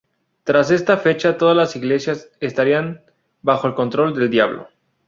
Tras esta fecha todas las iglesias estarían bajo el control del Diablo.